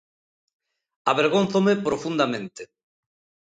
Avergónzome profundamente.